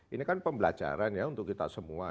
ini kan pembelajaran ya untuk kita semua